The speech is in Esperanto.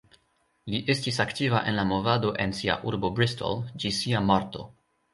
Li estis aktiva en la movado en sia urbo Bristol, ĝis sia morto.